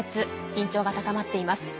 緊張が高まっています。